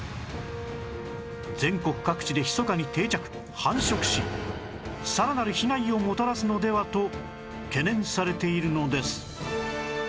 全国各地でひそかに定着繁殖しさらなる被害をもたらすのではと懸念されているのです